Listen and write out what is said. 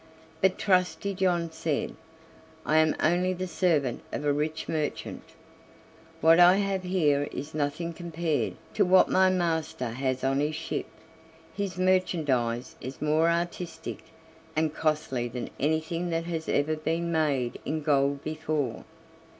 But Trusty John said: "I am only the servant of a rich merchant, what I have here is nothing compared to what my master has on his ship; his merchandise is more artistic and costly than anything that has ever been made in gold before."